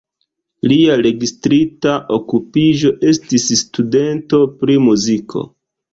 Lia registrita okupiĝo estis "studento pri muziko".